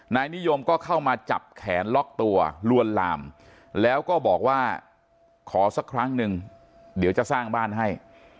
นายนิยมก็เข้ามาจับแขนล็อกตัวลวนลามแล้วก็บอกว่าขอสักครั้งหนึ่งเดี๋ยวจะสร้างบ้านให้